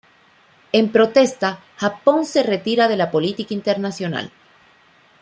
En protesta, Japón se retira de la política internacional.